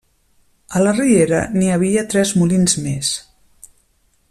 A la riera n'hi havia tres molins més.